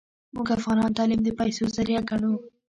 موږ افغانان تعلیم د پیسو ذریعه ګڼو